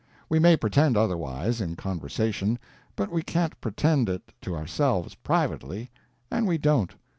We may pretend otherwise, in conversation; but we can't pretend it to ourselves privately and we don't.